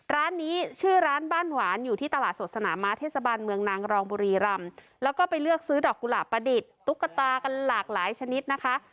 ร้านนี้ชื่อร้านบ้านหวานอยู่ที่ตลาดสดสนาม้าเทศบาลเมืองนางรองบุรีรำแล้วก็ไปเลือกซื้อดอกกุหลาบประดิษฐ์ตุ๊กตากันหลากหลายชนิดนะคะ